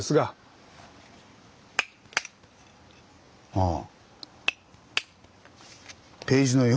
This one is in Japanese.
ああ。